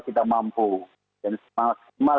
kita mampu dan semaksimal